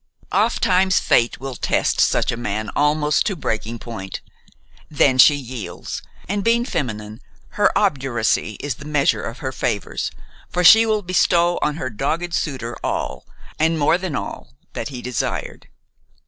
Ofttimes Fate will test such a man almost to breaking point. Then she yields, and, being feminine, her obduracy is the measure of her favors, for she will bestow on her dogged suitor all, and more than all, that he desired.